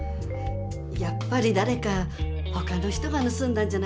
やっぱりだれかほかの人がぬすんだんじゃないですか？